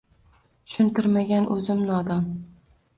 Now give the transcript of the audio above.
Tushuntirmagan o`zim nodon